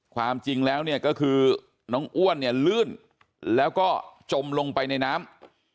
ความจริงแล้วเนี่ยก็คือน้องอ้วนเนี่ยลื่นแล้วก็จมลงไปในน้ำ